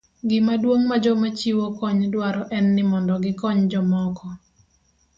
Gima duong' ma joma chiwo kony dwaro en ni mondo gikony jomoko.